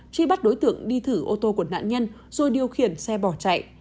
truy bắt đối tượng đi thử ô tô của nạn nhân rồi điều khiển xe bỏ chạy